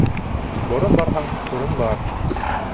Борон барһаң, урын бар.